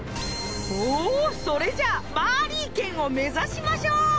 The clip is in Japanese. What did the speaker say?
おぉそれじゃあマーリー軒を目指しましょう。